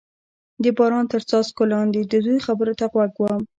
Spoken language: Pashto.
د باران تر څاڅکو لاندې د دوی خبرو ته غوږ ووم.